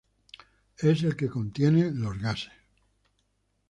Es el que contiene los gases.